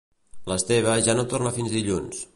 L'Esteve ja no torna fins dilluns